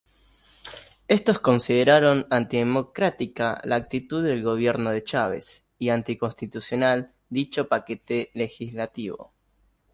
Estos consideraron antidemocrática la actitud del gobierno de Chávez, y anticonstitucional dicho paquete legislativo.